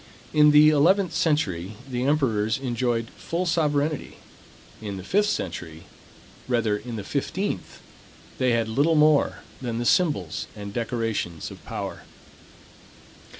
In the eleventh century the emperors enjoyed full sovereignty: In the fifteenth they had little more than the symbols and decorations of power.